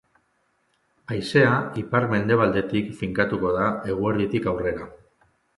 Haizea ipar-mendebaldetik finkatuko da eguerditik aurrera.